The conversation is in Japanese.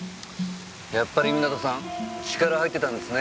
やっぱり港さん力入ってたんですね